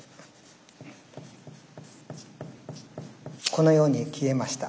このように消えました。